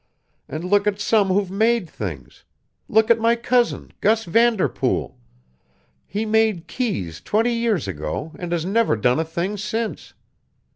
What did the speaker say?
And look at some who've made things. Look at my cousin, Gus Vanderpool he made Keys twenty years ago and has never done a thing since.